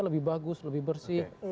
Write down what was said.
lebih bagus lebih bersih